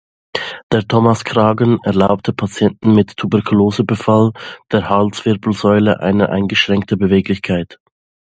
Der Thomas-Kragen erlaubte Patienten mit Tuberkulose-Befall der Halswirbelsäule eine eingeschränkte Beweglichkeit.